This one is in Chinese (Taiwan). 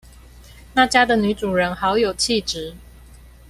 那家的女主人好有氣質